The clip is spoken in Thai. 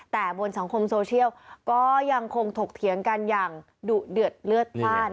แต่บนสังคมโซเชียลก็ยังคงถกเถียงกันอย่างดุเดือดเลือดพลาด